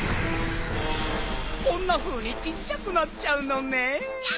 こんなふうにちっちゃくなっちゃうのねん。